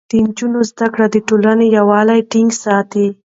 د نجونو زده کړه د ټولنې يووالی ټينګ ساتي.